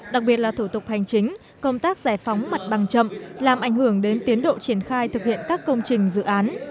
đặc biệt là thủ tục hành chính công tác giải phóng mặt bằng chậm làm ảnh hưởng đến tiến độ triển khai thực hiện các công trình dự án